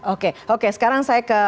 oke oke sekarang saya ke